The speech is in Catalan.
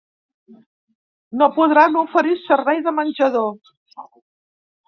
No podran oferir servei de menjador.